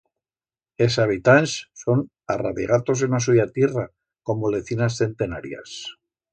Es habitants son arradigatos en a suya tierra como lecinas centenarias.